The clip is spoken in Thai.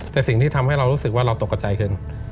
แต่สิ่งที่ทำให้เรารู้สึกว่าเราตกกระใจคือ